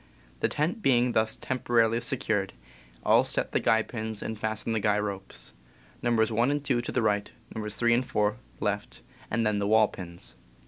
The tent being thus temporarily secured, all set the guy pins and fasten the guy ropes, Nos. 1 and 2 to the right, Nos. 3 and 4 left, and then the wall pins.